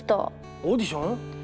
オーディション？